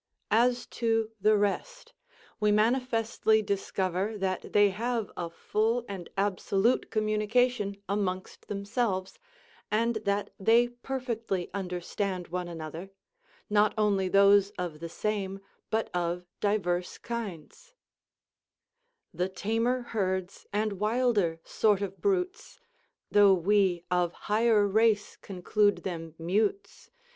As to the rest, we manifestly discover that they have a full and absolute communication amongst themselves, and that they perfectly understand one another, not only those of the same, but of divers kinds: "The tamer herds, and wilder sort of brutes. Though we of higher race conclude them mutes.